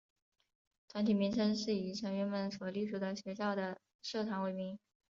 团体名称是以成员们所隶属的学校的社团为名。